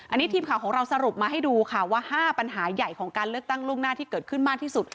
อันนี้ทีมข่าวของเราสรุปมาให้ดูค่ะว่า๕ปัญหาใหญ่ของการเลือกตั้งล่วงหน้าที่เกิดขึ้นมากที่สุด